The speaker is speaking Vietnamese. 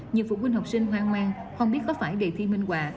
nhiều phụ huynh học sinh hoang mang không biết có phải đề thi minh quà